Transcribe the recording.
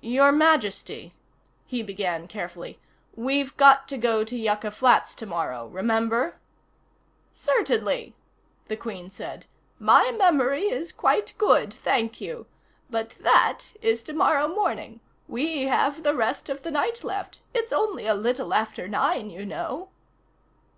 "Your Majesty," he began carefully, "we've got to go to Yucca Flats tomorrow. Remember?" "Certainly," the Queen said. "My memory is quite good, thank you. But that is tomorrow morning. We have the rest of the night left. It's only a little after nine, you know."